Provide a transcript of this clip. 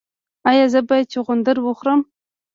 ایا زه باید چغندر وخورم؟